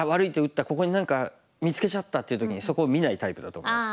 ここに何か見つけちゃった」っていう時にそこを見ないタイプだと思います。